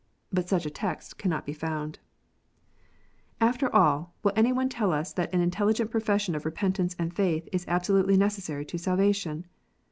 But such a text cannot be found ! After all, will any one tell us that an intelligent profession of repentance and faith is absolutely necessary to salvation?